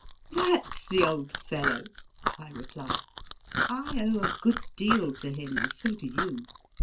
( That s the old fellow, I reply ; I owe a good deal to him, and so do you.